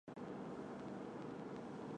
前身为陆军步兵第一二七师